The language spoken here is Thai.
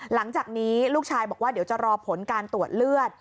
หลังจากนี้ลูกชายบอกว่าเดี๋ยวจะรอผลการตรวจเลือด